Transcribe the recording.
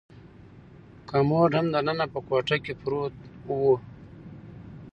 کمود هم دننه په کوټه کې پروت و.